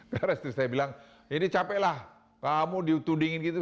karena istri saya bilang ini capek lah kamu ditudingin gitu